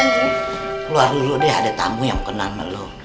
keluar dulu deh ada tamu yang kenal lo